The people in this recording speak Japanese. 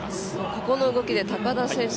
ここの動きで高田選手